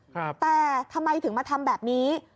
แต่ทำไมถึงมาทำแบบนี้